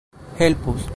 helpus